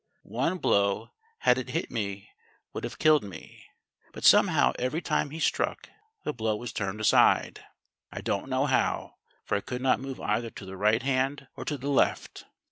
One blow had it hit me would have killed me, but somehow every time he struck, the blow was turned aside. I don't know how, for I could not move either to the right hand or to the left.